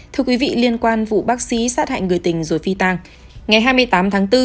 thưa quý vị liên quan vụ bác sĩ sát hại người tình rồi phi tàng ngày hai mươi tám tháng bốn